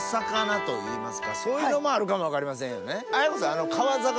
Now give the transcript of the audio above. といいますかそういうのもあるかも分かりませんよね。